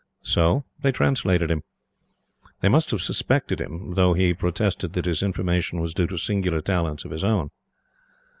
So they translated him. They must have suspected him, though he protested that his information was due to singular talents of his own.